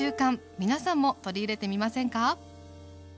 皆さんも取り入れてみませんか？